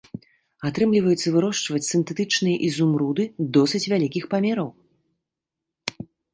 Атрымліваецца вырошчваць сінтэтычныя ізумруды досыць вялікіх памераў.